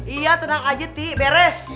iya tenang aja tik beres